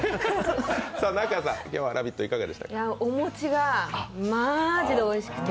お餅がまぁじでおいしくて。